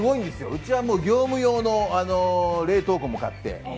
うちは業務用の冷凍庫も買って。